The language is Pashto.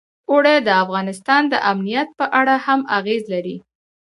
اوړي د افغانستان د امنیت په اړه هم اغېز لري.